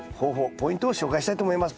ポイントを紹介したいと思います。